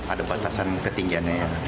ada batasan ketinggiannya ya